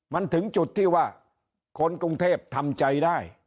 มันถึงจุดที่ว่าคนกรุงเทพทำใจได้